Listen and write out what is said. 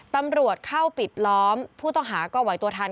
ตำรวจเข้าปิดล้อมผู้ต้องหาก็ไหวตัวทัน